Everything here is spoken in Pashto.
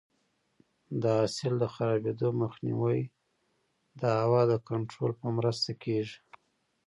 د حاصل د خرابېدو مخنیوی د هوا د کنټرول په مرسته کېږي.